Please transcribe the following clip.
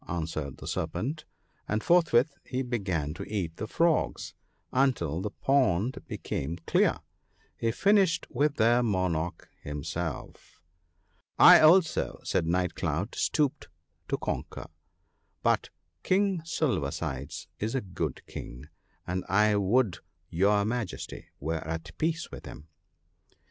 " answered the Serpent, and forthwith he began to eat the frogs, until the pond be coming clear, he finished with their monarch himself. * I also,' said Night cloud, * stooped to conquer, but King Silver sides is a good King, and I would your Majesty were at peace with him.'